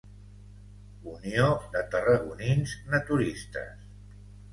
Unió de tarragonins naturistes.